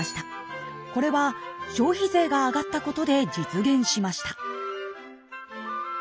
これは消費税が上がったことで実現しました。